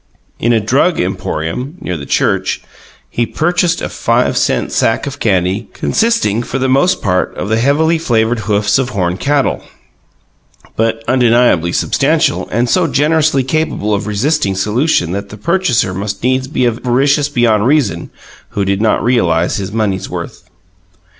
In a Drug Emporium, near the church, he purchased a five cent sack of candy consisting for the most part of the heavily flavoured hoofs of horned cattle, but undeniably substantial, and so generously capable of resisting solution that the purchaser must needs be avaricious beyond reason who did not realize his money's worth.